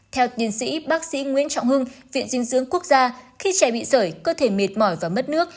theo tiến sĩ bác sĩ nguyễn trọng hưng viện dinh dưỡng quốc gia khi trẻ bị sởi cơ thể mệt mỏi và mất nước